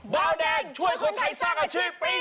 เบาแดงช่วยคนไทยสร้างอาชีพปี๒